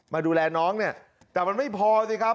มาดูแลน้องเนี่ยแต่มันไม่พอสิครับ